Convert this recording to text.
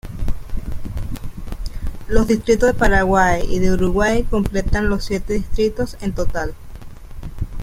Los distritos de Paraguay y de Uruguay completan los siete distritos en total.